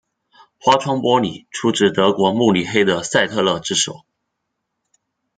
花窗玻璃出自德国慕尼黑的赛特勒之手。